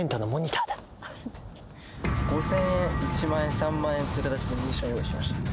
あれは５０００円１万円３万円という形でミッション用意しました